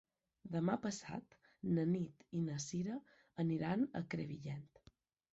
Demà passat na Nit i na Cira aniran a Crevillent.